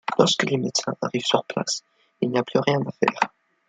Lorsque les médecins arrivent sur place, il n'y a plus rien à faire.